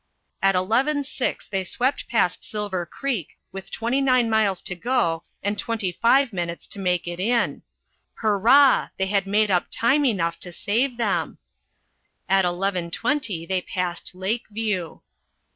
At eleven six they swept past Silver Creek with 29 miles to go and 25 minutes to make it in. Hurrah! They had made up time enough to save them! At eleven twenty they passed Lake View.